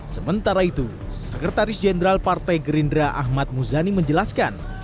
sementara itu sekretaris jenderal partai gerindra ahmad muzani menjelaskan